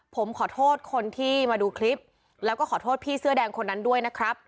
ผมขอโทษคนที่มาดูคลิปแล้วก็ขอโทษพี่เสื้อแดงคนนั้นด้วยนะครับ